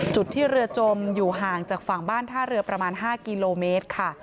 จุดที่เรือจมอยู่ห่างจากฝั่งบ้านท่าเรือประมาณ๕กิโลเมตรค่ะ